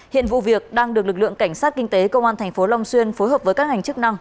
hiện vụ việc đang được lực lượng cảnh sát kinh tế công an thành phố long xuyên phối hợp với các ngành chức năng